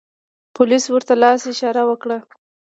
پولیس ورته لاس اشاره و کړه.